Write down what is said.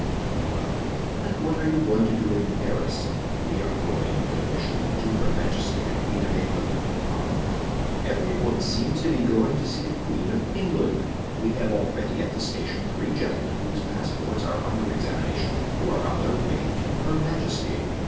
"From London." "And what are you going to do in Paris?" "We are going with a mission to Her Majesty, the Queen of England." "Ah, every one seems to be going to see the queen of England. We have already at the station three gentlemen whose passports are under examination, who are on their way to her majesty.